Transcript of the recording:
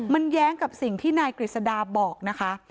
มันแย้งกับสิ่งที่นายกฤษดาบอกนะคะ